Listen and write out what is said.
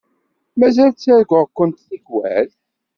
Mazal ttarguɣ-kent tikkal.